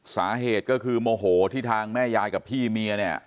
สาเหตุก็คือโมโหที่ทางแม่ยายกับพี่เมียเนี่ย